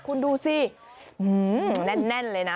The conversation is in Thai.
คุณดูสิแน่นเลยนะ